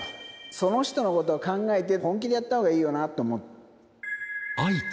その人のことを考えて本気でやったほうがいいよなと思う。